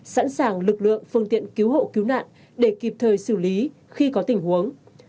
sẵn sàng lực lượng phương tiện cứu hộ cứu nạn để kịp thời xử lý khi có tình huống